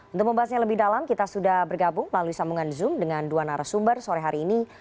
untuk membahasnya lebih dalam kita sudah bergabung melalui sambungan zoom dengan dua narasumber sore hari ini